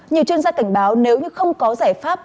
nhiều chuyên gia cảnh báo nếu như không có giải pháp